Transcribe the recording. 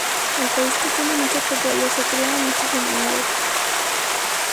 El país que tiene mucho petróleo, se crea muchos enemigos".